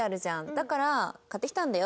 「だから買ってきたんだよ